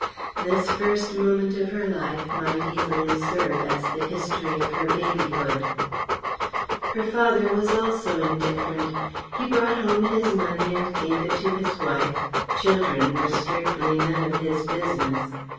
This first moment of her life might easily serve as the history of her babyhood. Her father was also indifferent. He brought home his money and gave it to his wife children were strictly none of his business.